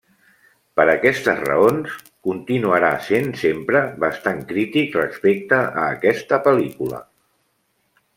Per aquestes raons, continuarà sent sempre bastant crític respecte a aquesta pel·lícula.